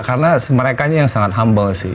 karena mereka yang sangat humble sih